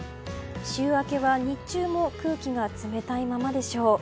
週明けは日中も空気が冷たいままでしょう。